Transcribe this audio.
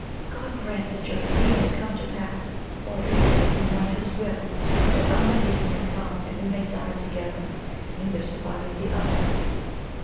God grant that your dream may come to pass ! or if , this be not his will, that Amadis may come and we liiay die together, neither surviving the other.